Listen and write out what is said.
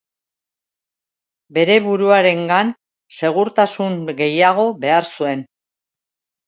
Bere buruarengan segurtasun gehiago behar zuen.